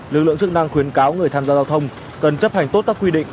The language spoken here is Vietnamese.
lực lượng chức năng khuyến cáo người tham gia giao thông cần chấp hành tốt các quy định